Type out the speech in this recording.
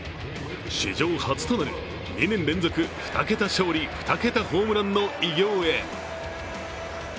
史上初となる、２年連続２桁勝利２桁ホームランの偉業へ。